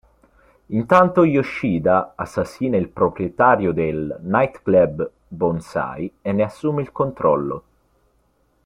Intanto Yoshida assassina il proprietario del Night Club "Bonsai" e ne assume il controllo.